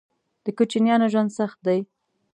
_د کوچيانو ژوند سخت دی.